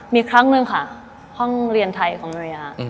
มีครั้งหนึ่งค่ะห้องเรียนไทยของเรีย